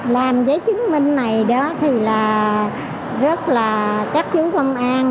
làm giấy chứng minh này thì rất là chắc chứng quân an